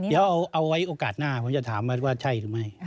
เดี๋ยวเอาไว้โอกาสหน้าผมจะถามมันว่าใช่หรือไม่